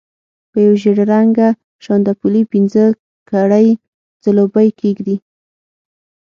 په یو ژېړ رنګه شانداپولي پنځه کړۍ ځلوبۍ کېږي.